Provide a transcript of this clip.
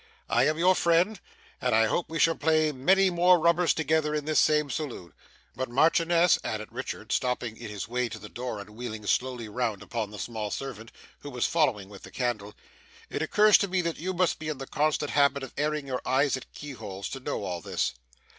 I am your friend, and I hope we shall play many more rubbers together in this same saloon. But, Marchioness,' added Richard, stopping in his way to the door, and wheeling slowly round upon the small servant, who was following with the candle; 'it occurs to me that you must be in the constant habit of airing your eye at keyholes, to know all this.